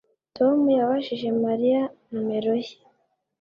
Tom yabajije Mariya nomero ye